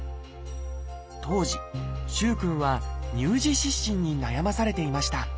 当時萩くんは「乳児湿疹」に悩まされていました。